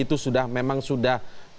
itu sudah memang sudah